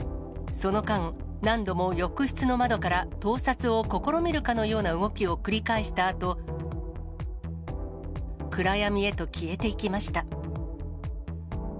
その間、何度も浴室の窓から盗撮を試みるかのような動きを繰り返したあと、暗闇へと消えていきました。